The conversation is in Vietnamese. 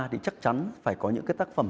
thì chắc chắn phải có những tác phẩm